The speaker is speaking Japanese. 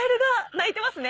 鳴いてますね。